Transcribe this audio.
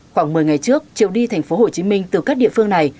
khoảng một mươi ngày trước chiều đi tp hcm từ các địa phương này